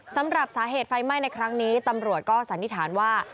สำหรับสาเหตุไฟไหม้ในครั้งนี้ตำรวจก็สันนิษฐานว่า